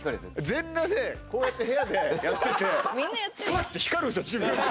全裸でこうやって部屋でやっててパッて光るんですよ